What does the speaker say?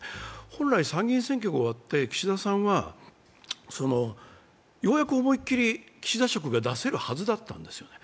本来参議院選挙が終わって岸田さんはようやく思い切り岸田色が出せるはずだったんですよね。